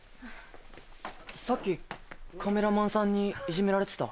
さっきカメラマンさんにいじめられてた？